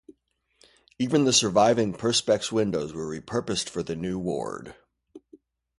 Even the surviving Perspex windows were repurposed for the new ward.